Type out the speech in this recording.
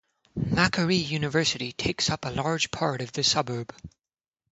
Macquarie University takes up a large part of the suburb.